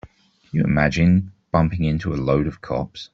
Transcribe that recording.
Can you imagine bumping into a load of cops?